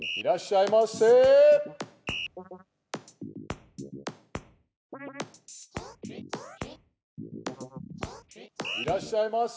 いらっしゃいませ！